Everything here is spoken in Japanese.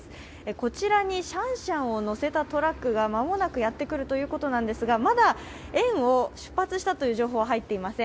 こちらにシャンシャンを乗せたトラックが間もなくやってくるということですが、まだ園を出発したという情報は入っていません。